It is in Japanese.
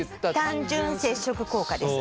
単純接触効果です。